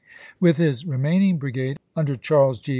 With his re maining brigade under Charles Gr.